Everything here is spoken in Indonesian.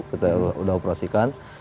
kita sudah operasikan